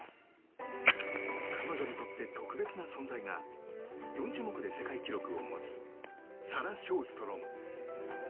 彼女にとって特別な存在が４種目で世界記録を持つサラ・ショーストロム。